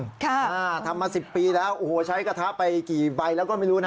ค่ะอ่าทำมาสิบปีแล้วโอ้โหใช้กระทะไปกี่ใบแล้วก็ไม่รู้นะ